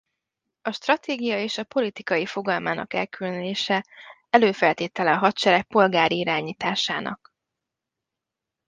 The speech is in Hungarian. A stratégia és a politikai fogalmának elkülönülése előfeltétele a hadsereg polgári irányításának.